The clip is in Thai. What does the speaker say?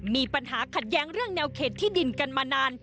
มีปัญหาขัดแย้งเรื่องแนวเขตที่ดินกันมานาน